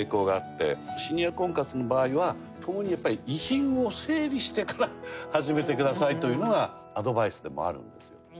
シニア婚活の場合はともに遺品を整理してから始めてくださいというのがアドバイスでもあるんですよ。